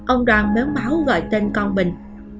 ông đoàn méo máu gọi tên con mình